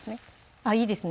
あっいいですね